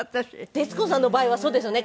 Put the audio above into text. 徹子さんの場合はそうですよね。